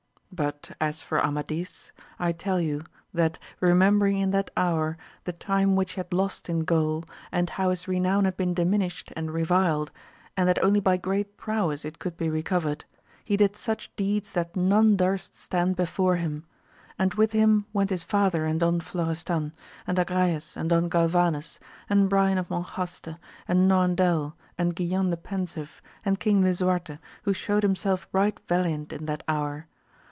But as for Amadis I tell you that re membering in that hour the time which he had lost in Gaul, and how his renown had been diminished and reviled, and that only by great prowess it could be recovered, he did such deeds that none durst stand before him ; and with him went his father and Don Florestan, and Agrayes and Don Galvanes, and^Brian of Monjaste, and Norandel and Guilan the Pensive, and King Lisuarte, who shewed himself right valiant in that hour.